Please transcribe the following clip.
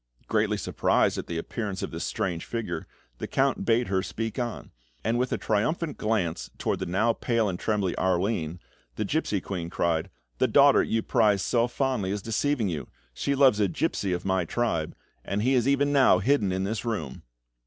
Greatly surprised at the appearance of this strange figure, the Count bade her speak on; and with a triumphant glance towards the now pale and trembling Arline, the gipsy queen cried: "The daughter you prize so fondly is deceiving you! She loves a gipsy of my tribe, and he is even now hidden in this room!"